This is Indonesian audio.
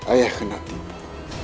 ayah kena tiba